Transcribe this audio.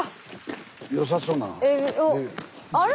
あれ？